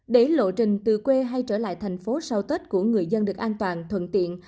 để lộ trình từ quê hay trở lại thành phố sau tết của người dân được an toàn thuận tiện